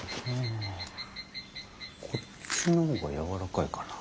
こっちの方がやわらかいかな。